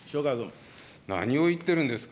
何を言ってるんですか。